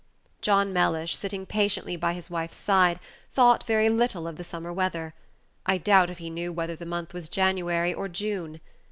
John Mellish, sitting patiently by his wife's side, thought very little of the summer weather. I doubt if he knew whether the month was January or June.